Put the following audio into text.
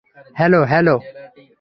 Hello, hello!